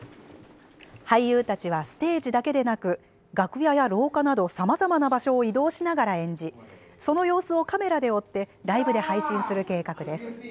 俳優たちはステージだけでなく楽屋や廊下などさまざまな場所を移動しながら演じその様子をカメラで追ってライブで配信する計画です。